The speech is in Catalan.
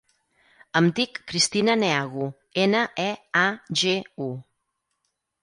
Em dic Cristina Neagu: ena, e, a, ge, u.